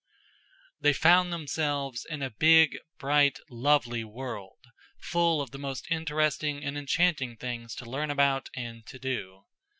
They found themselves in a big bright lovely world, full of the most interesting and enchanting things to learn about and to do.